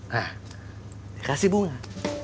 nah dikasih bunga